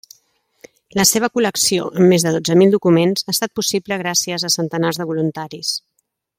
La seva col·lecció amb més de dotze mil documents, ha estat possible gràcies a centenars de voluntaris.